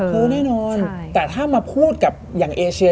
แต่ถ้ามาพูดกับอย่างเอเชีย